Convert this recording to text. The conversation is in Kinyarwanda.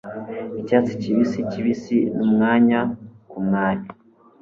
Icyatsi kibisi kibisi numwanya kumwanya